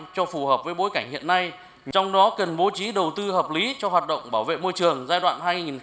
cho phù hợp với bối cảnh hiện nay trong đó cần bố trí đầu tư hợp lý cho hoạt động bảo vệ môi trường giai đoạn hai nghìn hai mươi một hai nghìn hai mươi năm